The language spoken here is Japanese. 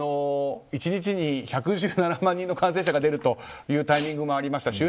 １日に１１７万人の感染者が出るというタイミングもありました。